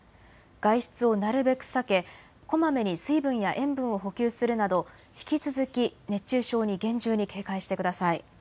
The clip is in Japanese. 外出をなるべく避け、こまめに水分や塩分を補給するなど引き続き熱中症に厳重に警戒してください。